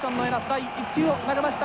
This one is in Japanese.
第１球を投げました。